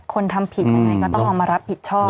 คนทำผิดยังไงต้องเอามารับผิดชอบล่ะค่ะ